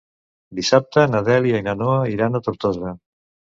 Dissabte na Dèlia i na Noa iran a Tortosa.